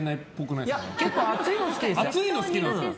いや、結構熱いの好きです。